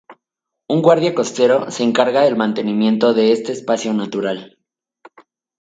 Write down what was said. Un guardia costero se encarga del mantenimiento de este espacio natural.